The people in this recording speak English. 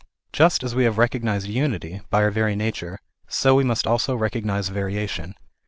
Just as we have recognized unity by our very nature, so we must also recognize variation.